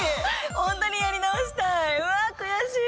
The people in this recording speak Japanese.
本当にやり直したいうわー、悔しい。